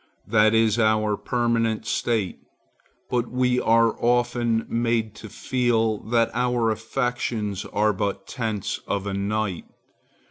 That is our permanent state. But we are often made to feel that our affections are but tents of a night.